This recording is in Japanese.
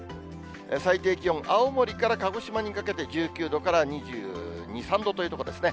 最低気温、青森から鹿児島にかけて１９度から２２、３度というところですね。